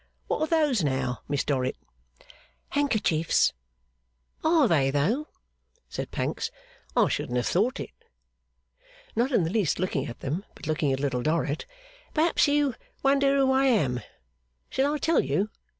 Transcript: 'What are those now, Miss Dorrit?' 'Handkerchiefs.' 'Are they, though!' said Pancks. 'I shouldn't have thought it.' Not in the least looking at them, but looking at Little Dorrit. 'Perhaps you wonder who I am. Shall I tell you?